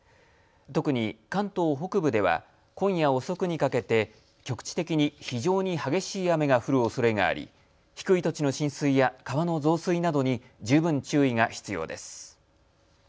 特に関東北部では今夜遅くにかけて局地的に非常に激しい雨が降るおそれがあり低い土地の浸水や川の増水などに十分注意が必要です。